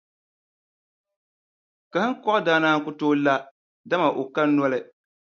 Kahiŋkɔɣu daa naan ku tooi la, dama o ka noli.